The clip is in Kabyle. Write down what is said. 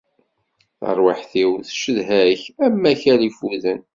Tarwiḥt-iw tcedha-k, am wakal ifuden.